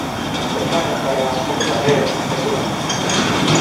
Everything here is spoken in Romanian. O persoană care a făcut avere din speculații.